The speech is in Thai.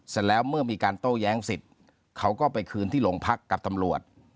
เสร็จแล้วเมื่อมีการโต้แย้งสิทธิ์เขาก็ไปคืนที่โรงพักกับตำรวจ